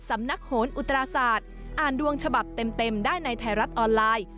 สำนักโหนอุตราศาสตร์อ่านดวงฉบับเต็มได้ในไทยรัฐออนไลน์